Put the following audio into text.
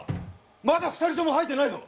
まだ２人とも吐いてないぞ。